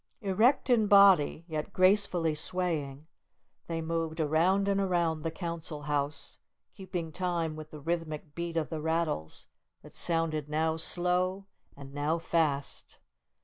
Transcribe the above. Erect in body, yet gracefully swaying, they moved around and around the Council House, keeping time with the rhythmic beat of the rattles, that sounded now slow and now fast.